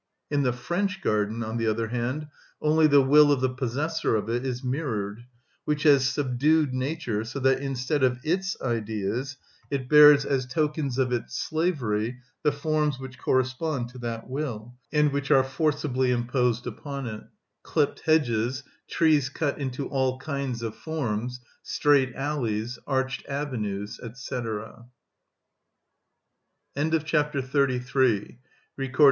In the French garden, on the other hand, only the will of the possessor of it is mirrored, which has subdued nature so that instead of its Ideas it bears as tokens of its slavery the forms which correspond to that will, and which are forcibly imposed upon it—clipped hedges, trees cut into all kinds of forms, straight alleys, arched avenues, &c. Chapter XXXIV.(18) On The Inner Nature Of Art.